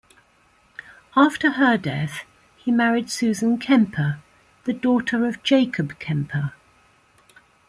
After her death he married Susan Kemper, the daughter of Jacob Kemper.